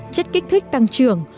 chất kích thích tăng trưởng